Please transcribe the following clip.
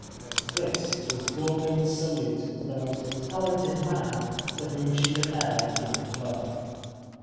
This was Dublin's salute to the most talented man to whom she had ever given birth.